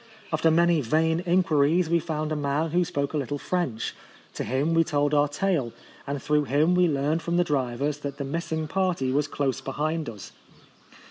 After many vain inquiries, we found a man who spoke some little French. To him we told our tale, and through him we learnt from the drivers that the missing party was close behind us.